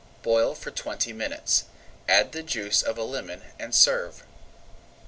Boil for twenty minutes, add the juice of a lemon, and serve.